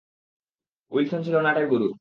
Wilson ছিল নাটের গুরু।